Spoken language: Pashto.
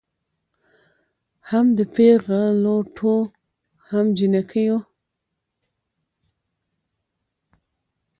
هم د پېغلوټو هم جینکیو